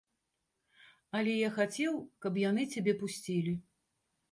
Але я хацеў, каб яны цябе пусцілі.